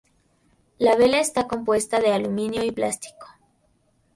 La vela está compuesta de aluminio y plástico.